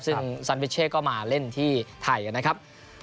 ซึ่งซันวิเช่ก็มาเล่นที่ไทยนะครับ